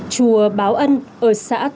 chùa báo ân ở xã công an